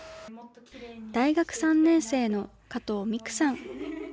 大学３年生の加藤未来さん。